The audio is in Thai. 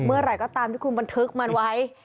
เมื่อไหร่ก็ตามที่คุณบันทึกมันไว้